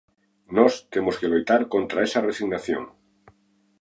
Nós temos que loitar contra esa resignación.